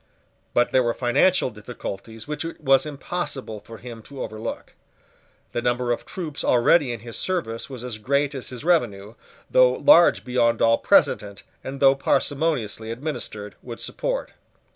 But there were financial difficulties which it was impossible for him to overlook. The number of troops already in his service was as great as his revenue, though large beyond all precedent and though parsimoniously administered, would support.